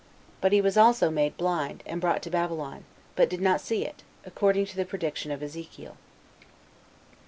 But he was also made blind, and brought to Babylon, but did not see it, according to the prediction of Ezekiel.